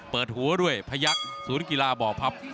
เปิดหัวด้วยพยักษ์ศูนย์กีฬาบ่อพับ